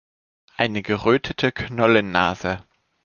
Eine gerötete Knollennase.